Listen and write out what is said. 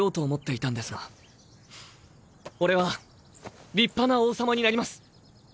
俺は立派な王様になります。